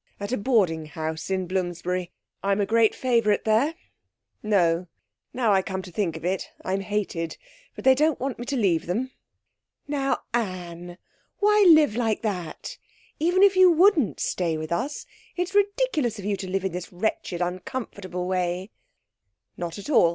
At a boarding house in Bloomsbury. I'm a great favourite there; no now I come to think of it I'm hated. But they don't want me to leave them.' 'Now, Anne, why live like that? Even if you wouldn't stay with us, it's ridiculous of you to live in this wretched, uncomfortable way.' 'Not at all.